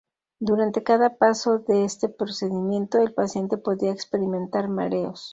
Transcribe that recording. Durante cada paso de este procedimiento el paciente podría experimentar mareos.